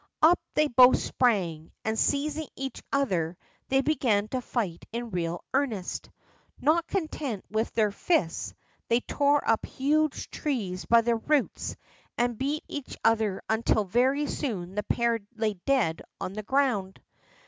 Up they both sprang, and seizing each other, they began to fight in real earnest. Not content with using their fists, they tore up huge trees by the roots, and beat each other until very soon the pair lay dead on the ground.